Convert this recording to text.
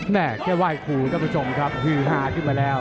แค่ไหว้ครูท่านผู้ชมครับฮือฮาขึ้นมาแล้ว